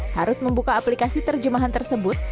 harus membuka aplikasi terjemahan tersebut